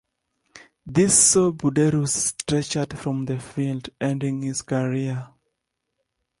This saw Buderus stretchered from the field, ending his career.